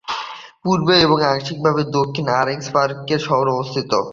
পূর্বে এবং আংশিকভাবে দক্ষিণে অরেঞ্জ পার্ক শহর অবস্থিত।